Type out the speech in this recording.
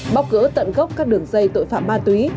bóc gỡ tận gốc các đường dây tội phạm ma túy